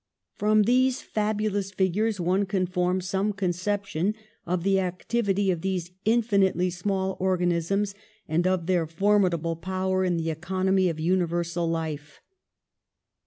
From these fabulous figures one can form some conception of the activity of these infinitely small organ isms and of their formidable power in the economy of universal life.